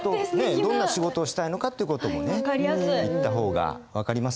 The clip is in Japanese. どんな仕事をしたいのかって事もね言った方が分かりますよね。